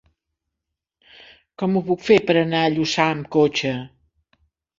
Com ho puc fer per anar a Lluçà amb cotxe?